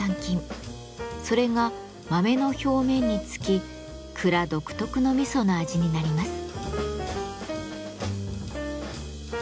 それが豆の表面に付き蔵独特の味噌の味になります。